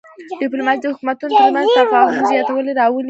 ډیپلوماسي د حکومتونو ترمنځ د تفاهم زیاتوالی راولي.